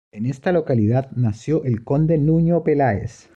En esta localidad nació el conde Nuño Peláez.